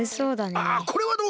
あこれはどう？